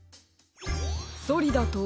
そりだと。